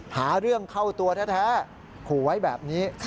หาเรื่องเข้าตัวแท้ขู่ไว้แบบนี้